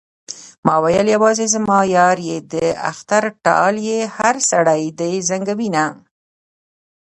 ما ويل يوازې زما يار يې د اختر ټال يې هر سړی دې زنګوينه